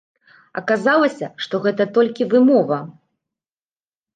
Аказалася, што гэта толькі вымова.